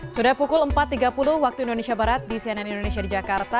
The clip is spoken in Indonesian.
sudah pukul empat tiga puluh waktu indonesia barat di cnn indonesia di jakarta